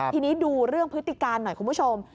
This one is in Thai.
ทีนี้ดูเรื่องพฤติการหน่อยคุณผู้ชม